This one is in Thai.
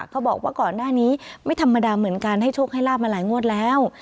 เขาบอกว่าก่อนหน้านี้ไม่ธรรมดาเหมือนกันให้โชคให้ลาบมาหลายงวดแล้ว